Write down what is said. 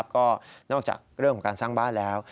ก็นอกจากเรื่องของการสร้างบ้านแล้ว